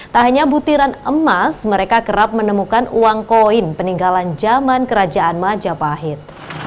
tak hanya butiran emas mereka kerap menemukan uang koin peninggalan zaman kerajaan majapahit